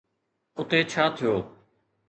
اتي ڇا ٿيو؟